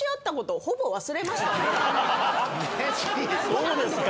そうですか。